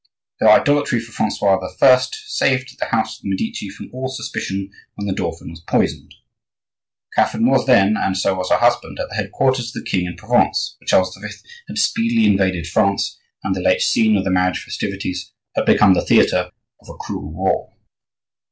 Her idolatry for Francois I. saved the house of the Medici from all suspicion when the dauphin was poisoned. Catherine was then, and so was her husband, at the headquarters of the king in Provence; for Charles V. had speedily invaded France and the late scene of the marriage festivities had become the theatre of a cruel war.